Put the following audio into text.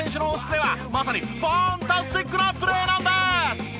プレはまさにファンタスティックなプレーなんです。